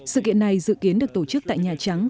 sự kiện này dự kiến được tổ chức tại nhà trắng